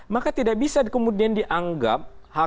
maka tidak bisa kemudian dianggap